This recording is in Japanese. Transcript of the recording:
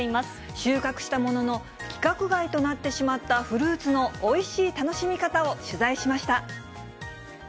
収穫したものの、規格外となってしまったフルーツのおいしい楽しみ方を取材しまし